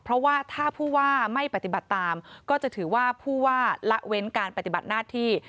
เพราะว่าถ้าผู้ว่าไม่ปฏิบัติตามก็จะถือว่าผู้ว่าละเว้นการปฏิบัติหน้าที่